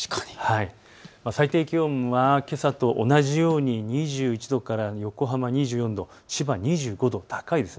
最低気温はけさと同じように２１度から横浜２４度、千葉２５度高いです。